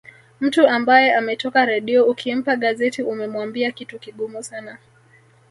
Mtu ambaye ametoka redio ukimpa gazeti umemwambia kitu kigumu sana